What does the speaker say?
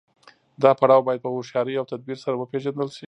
دا پړاو باید په هوښیارۍ او تدبیر سره وپیژندل شي.